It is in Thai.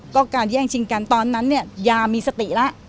ก็การแย่งชิงกันตอนนั้นเนี่ยยามีสติแล้ว